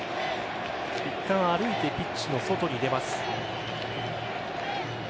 いったん歩いてピッチの外に出ます。